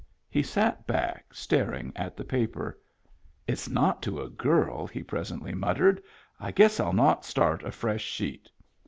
He sat back, staring at the paper. " It's not to a girl," he presently muttered. " I guess rU not start a fresh sheet."